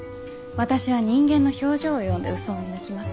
私は人間の表情を読んでウソを見抜きます。